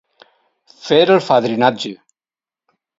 Fer el fadrinatge.